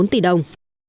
bốn tỷ đồng